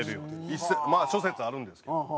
まあ諸説あるんですけど。